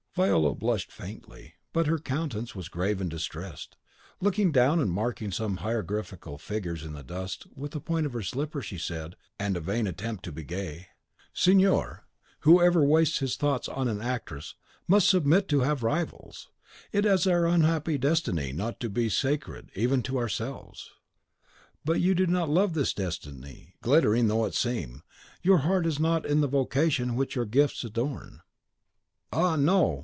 Viola blushed faintly; but her countenance was grave and distressed. Looking down, and marking some hieroglyphical figures in the dust with the point of her slipper, she said, with some hesitation, and a vain attempt to be gay, "Signor, whoever wastes his thoughts on an actress must submit to have rivals. It is our unhappy destiny not to be sacred even to ourselves." "But you do not love this destiny, glittering though it seem; your heart is not in the vocation which your gifts adorn." "Ah, no!"